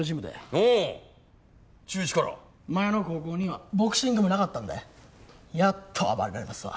前の高校にはボクシング部なかったんでやっと暴れられますわ。